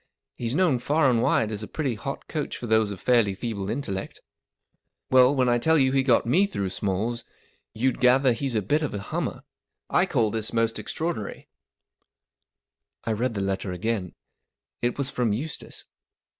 He's known far and wide as a pretty hot coach for those of fairly feeble intellect. Well, when 1 tell you he got me through Smalls* you'll gather that he's a bit of a hummer, I call this most extraordinary/* I read the letter again. It was from Eustace.